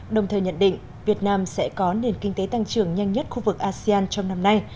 đồng thời nhận định việt nam sẽ có nền kinh tế tăng trưởng nhanh nhất khu vực asean trong năm nay